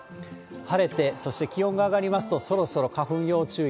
晴れて、そして気温が上がりますと、そろそろ花粉要注意。